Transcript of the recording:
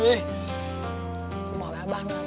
aku mau abah